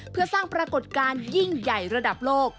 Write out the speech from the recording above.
เพื่อสร้างปรากฏการณ์ยิ่งใหญ่ระดับโลก